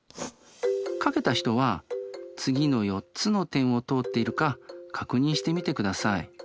描けた人は次の４つの点を通っているか確認してみてください。